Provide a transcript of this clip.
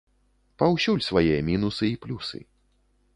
Паўсюль свае мінусы і плюсы.